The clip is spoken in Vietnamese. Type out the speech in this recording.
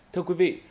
thưa quý vị